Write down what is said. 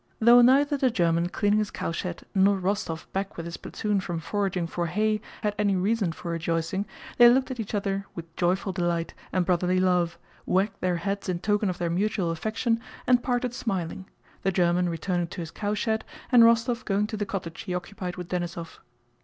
Though neither the German cleaning his cowshed nor Rostóv back with his platoon from foraging for hay had any reason for rejoicing, they looked at each other with joyful delight and brotherly love, wagged their heads in token of their mutual affection, and parted smiling, the German returning to his cowshed and Rostóv going to the cottage he occupied with Denísov.